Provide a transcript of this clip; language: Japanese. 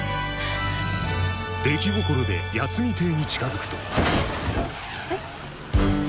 出来心で八海邸に近づくと・え？